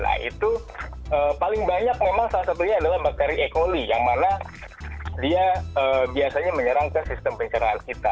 nah itu paling banyak memang salah satunya adalah bakteri e coli yang mana dia biasanya menyerang ke sistem pencernaan kita